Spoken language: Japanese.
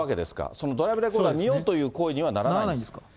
そのドライブレコーダー見ようっていう行為にはならないんですか？